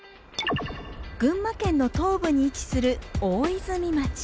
群馬県の東部に位置する大泉町。